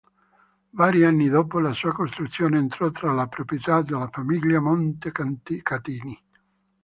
Vari anni dopo la sua costruzione entrò tra le proprietà della famiglia Montecatini.